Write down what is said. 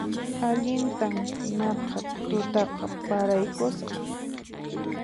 Allintan naqha tutaqa paraykusqa